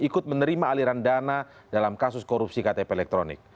ikut menerima aliran dana dalam kasus korupsi ktp elektronik